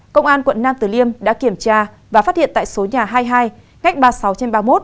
công an quận nam tử liêm đã kiểm tra và phát hiện tại số nhà hai mươi hai ngách ba mươi sáu trên ba mươi một